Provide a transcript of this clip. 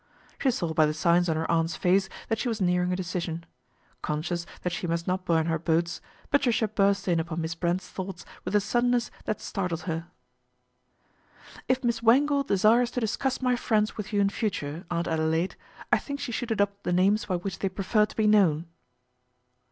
She saw by the signs on her aunt's face that she was nearing a decision. Conscious that she must not burn her boats, Patricia burst in upon Miss Brent's thoughts with a suddenness that startled her. " If Miss Wangle desires to discuss my friends with you in future, Aunt Adelaide, I think she should adopt the names by which they prefer to be known."